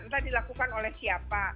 entah dilakukan oleh siapa